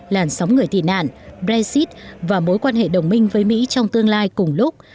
làn sóng người tị nạn brexit và mối quan hệ đồng minh với mỹ trong tương lai cùng lúc